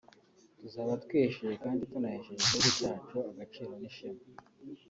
tuzaba twihesheje kandi tunahesheje igihugu cyacu agaciro n’ishema